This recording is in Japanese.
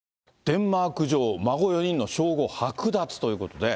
デンマーク女王、孫５人の称号剥奪ということで。